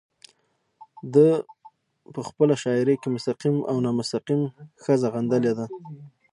ده په خپله شاعرۍ کې مستقيم او نامستقيم ښځه غندلې ده